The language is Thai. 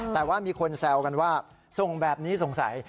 แต่ว่ามีคนแซวกันว่าส่งแบบนี้สงสัย